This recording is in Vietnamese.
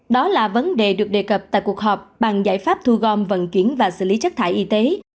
đó là vấn đề được đề cập tại cuộc họp bằng giải pháp thu gom vận chuyển và xử lý chất thải y tế